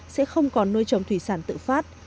sẽ không còn nuôi trồng thủy sản tự phát